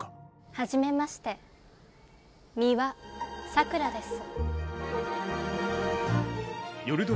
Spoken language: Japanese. はじめまして美羽さくらです。